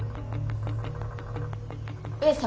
・上様。